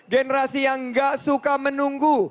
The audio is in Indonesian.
generasi yang gak suka menunggu